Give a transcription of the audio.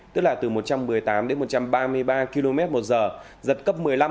tức là từ một trăm một mươi tám đến một trăm ba mươi ba km một giờ giật cấp một mươi năm